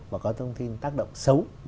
và có thông tin tác động xấu